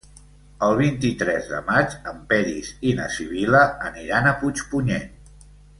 El vint-i-tres de maig en Peris i na Sibil·la aniran a Puigpunyent.